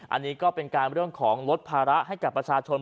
อันนี้ก็เป็นการเรื่องของลดภาระให้กับประชาชน